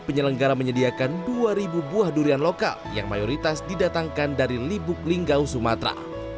penyelenggara menyediakan dua ribu buah durian lokal yang mayoritas didatangkan dari libuk linggau sumatera